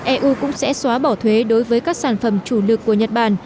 eu cũng sẽ xóa bỏ thuế đối với các sản phẩm chủ lực của nhật bản